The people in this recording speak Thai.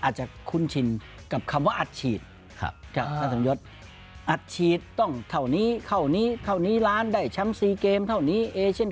อาจจะคุ้นชินกับคำว่าอัดฉีดครับ